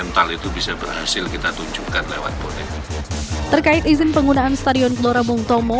terkait izin penggunaan stadion gelora bung tomo